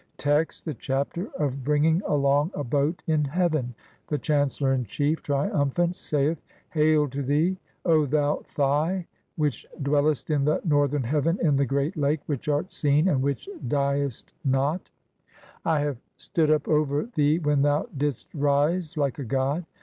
Text: (1) The Chapter of bringing along a boat in HEAVEN. The chancellor in chief, triumphant, saith :— (2) "Hail to thee, O thou Thigh which dwellest in the northern "heaven in the Great Lake, which art seen and which diest not. THE CHAPTER OF BRINGING THE MAKHENT BOAT. 157 "I have stood up over thee when thou didst rise like a god.